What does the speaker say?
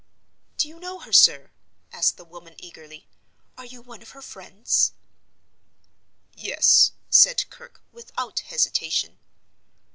"Do you know her, sir?" asked the woman, eagerly. "Are you one of her friends?" "Yes," said Kirke, without hesitation.